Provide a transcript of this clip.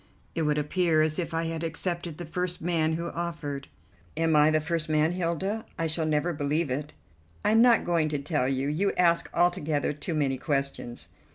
It would appear as if I had accepted the first man who offered." "Am I the first man, Hilda? I shall never believe it." "I'm not going to tell you. You ask altogether too many questions."